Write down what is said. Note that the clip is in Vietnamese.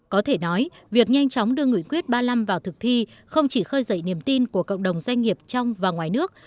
có thể nói việc nhanh chóng đưa nghị quyết ba mươi năm vào thực thi không chỉ khơi dậy niềm tin của cộng đồng doanh nghiệp trong và ngoài nước